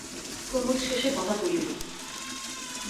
কুমুদ শেষে কথা তুলিল।